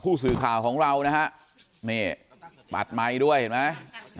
ผู้สื่อข่าวของเรานะฮะนี่ปัดไมค์ด้วยเห็นไหม